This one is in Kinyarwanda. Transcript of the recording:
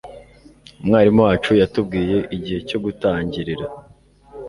Umwarimu wacu yatubwiye igihe cyo gutangirira